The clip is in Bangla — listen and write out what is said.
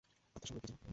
আত্মা সম্পর্কে কী জানো?